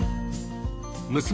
娘